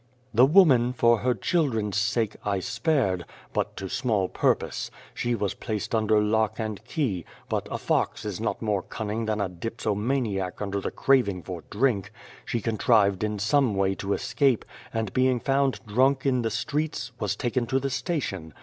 "'The woman, for her children's sake, I spared but to small purpose. She was placed under lock and key, but a fox is not more cunning than a dipsomaniac under the craving for drink. She contrived in some way to escape, and being found drunk in the streets, was taken to the station.